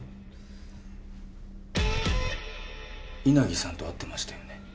稲木さんと会ってましたよね？